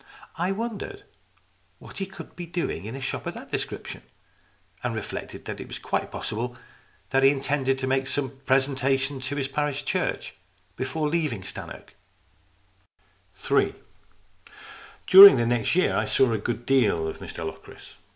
I wondered what he could be doing in a shop of that description, and reflected that it was quite possible that he intended to make some presentation to his parish church before leaving Stannoke. Ill DURING the next year I saw a good deal of Mr Locris.